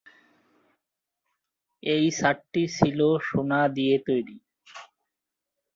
এর ছাদটি ছিল সোনা দিয়ে তৈরী।